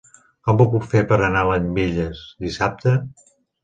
Com ho puc fer per anar a Llambilles dissabte?